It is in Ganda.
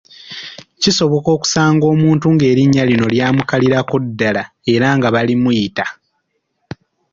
Kisoboka okusanga omuntu ng’erinnya lino lyamukalirako ddala era nga balimuyita.